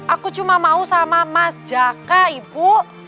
aku cuma mau sama mas jaka ibu